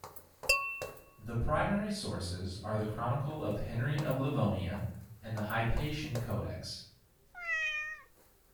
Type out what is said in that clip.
The primary sources are the Chronicle of Henry of Livonia and Hypatian Codex.